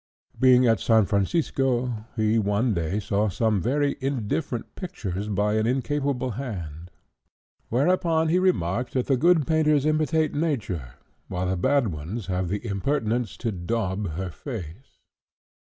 Being at San Francisco, he one day saw some very indifferent pictures, by an incapable hand; whereupon he remarked that the good painters imitate nature, while the bad ones have the impertinence to daub her face.